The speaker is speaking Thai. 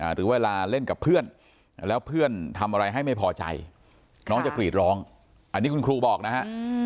หรือเวลาเล่นกับเพื่อนแล้วเพื่อนทำอะไรให้ไม่พอใจน้องจะกรีดร้องอันนี้คุณครูบอกนะฮะ